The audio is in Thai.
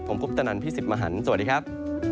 ผมคุปตนันพี่สิทธิ์มหันฯสวัสดีครับ